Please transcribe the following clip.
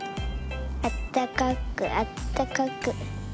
あったかくあったかく。